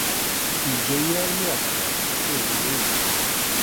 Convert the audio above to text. Yeǧǧa-yi armi ɣefleɣ, yebbeẓ-iyi